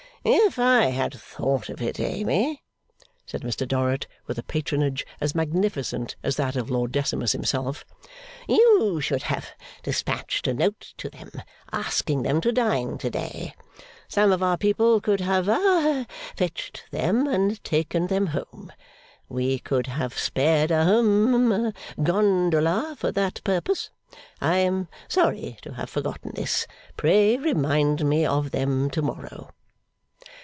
'If I had thought of it, Amy,' said Mr Dorrit, with a patronage as magnificent as that of Lord Decimus himself, 'you should have despatched a note to them, asking them to dine to day. Some of our people could have ha fetched them, and taken them home. We could have spared a hum gondola for that purpose. I am sorry to have forgotten this. Pray remind me of them to morrow.